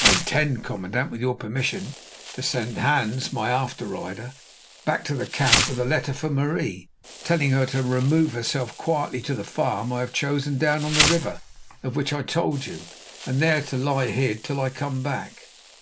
"I intend, commandant, with your permission to send Hans, my after rider, back to the camp with a letter for Marie, telling her to remove herself quietly to the farm I have chosen down on the river, of which I told you, and there to lie hid till I come back."